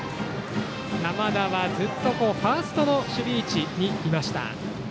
山田は、ずっとファーストの守備位置にいました。